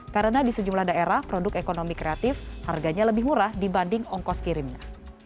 karena di sejumlah daerah produk ekonomi kreatif harganya lebih murah dibanding ongkos kirimnya